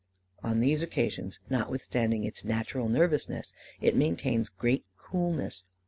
On these occasions, notwithstanding its natural nervousness, it maintains great coolness.